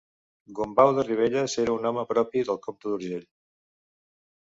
Gombau de Ribelles era un home propi del comte d’Urgell.